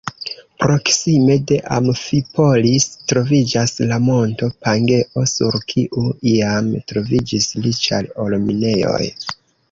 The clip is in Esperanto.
Proksime de Amfipolis troviĝas la monto Pangeo, sur kiu iam troviĝis riĉaj or-minejoj.